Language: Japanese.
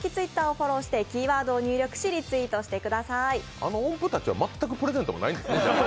あの音符たちは全くプレゼントとかないんですね。